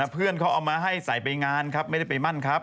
เพื่อนเขาเอามาให้ใส่ไปงานครับไม่ได้ไปมั่นครับ